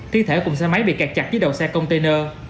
thi thể cùng xe máy bị kẹt chặt dưới đầu xe container